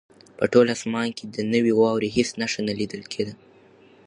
په ټول اسمان کې د نوې واورې هېڅ نښه نه لیدل کېده.